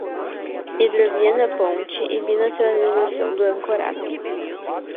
Hidrovia da ponte e binacionalização do ancorado